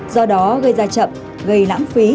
do đó gây ra chậm gây lãng phí